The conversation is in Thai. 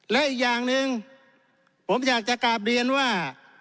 และอีกอย่างหนึ่งผมอยากจะกลับเรียนว่า